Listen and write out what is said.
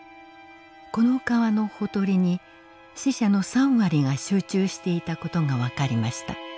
この河のほとりに死者の３割が集中していた事が分かりました。